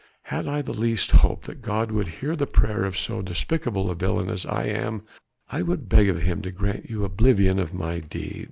Had I the least hope that God would hear the prayer of so despicable a villain as I am I would beg of Him to grant you oblivion of my deed.